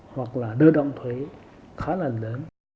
hoặc là đơ động thuế khá là lớn